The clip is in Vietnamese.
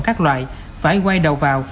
các loại phải quay đầu vào